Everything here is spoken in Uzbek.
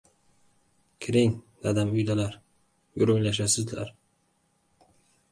— Kiring, dadam uydalar, gurunglashasizlar…